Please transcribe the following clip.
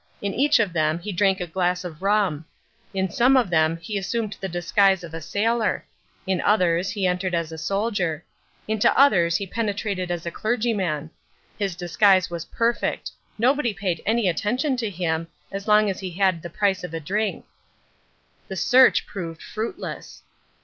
In each of them he drank a glass of rum. In some of them he assumed the disguise of a sailor. In others he entered as a solider. Into others he penetrated as a clergyman. His disguise was perfect. Nobody paid any attention to him as long as he had the price of a drink. The search proved fruitless.